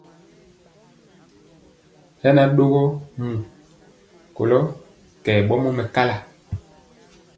Hɛ na ɗogɔ muu kolɔ kɛ ɓɔmɔ mɛkala.